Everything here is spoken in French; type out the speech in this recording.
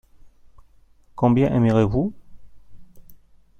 Combien aimerez-vous ?